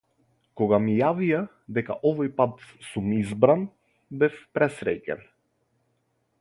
Кога ми јавија дека овој пат сум избран, бев пресреќен.